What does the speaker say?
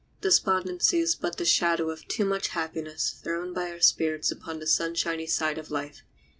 Despondency is but the shadow of too much happiness thrown by our spirits upon the sunshiny side of life.